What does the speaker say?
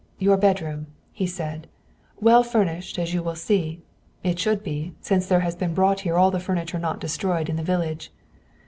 "Your bedroom," he said. "Well furnished, as you will see. It should be, since there has been brought here all the furniture not destroyed in the village."